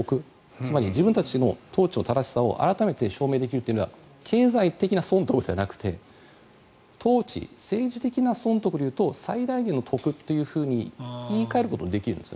つまり自分たちの統治の正しさを改めて証明できるというのは経済的な損得ではなくて統治、政治的な損得で言うと最大限の得というふうに言い換えることもできるんです。